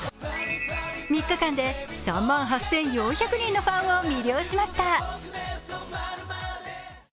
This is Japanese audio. ３日間で３万８４００人のファンを魅了しました。